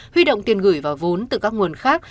huy động tiền gửi và vốn từ các nguồn khác